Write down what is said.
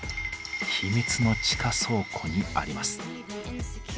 ヒミツの地下倉庫にあります。